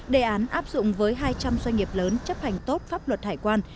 đề án áp dụng với hai trăm linh doanh nghiệp lớn chấp hành tốt pháp luật hải quan